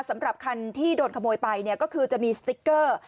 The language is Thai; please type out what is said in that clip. สำหรับคันที่โดนขโมยไปเนี่ยก็คือจะมีสติ๊กเกอร์